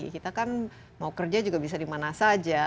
karena kita kan mau kerja juga bisa dimana saja